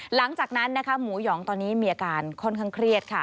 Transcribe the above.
หลังจากนั้นนะคะหมูหยองตอนนี้มีอาการค่อนข้างเครียดค่ะ